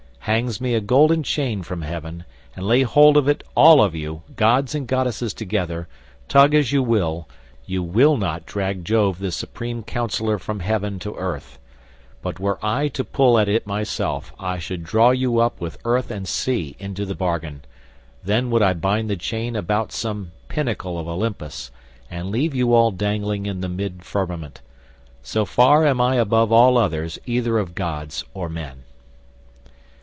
Hangs me a golden chain from heaven, and lay hold of it all of you, gods and goddesses together—tug as you will, you will not drag Jove the supreme counsellor from heaven to earth; but were I to pull at it myself I should draw you up with earth and sea into the bargain, then would I bind the chain about some pinnacle of Olympus and leave you all dangling in the mid firmament. So far am I above all others either of gods or men."